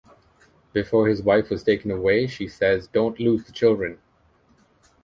Before his wife is taken away, she says, Don't lose the children!